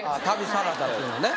サラダっていうのね